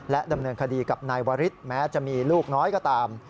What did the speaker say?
ดำเนินคดีกับนายวริสแม้จะมีลูกน้อยก็ตาม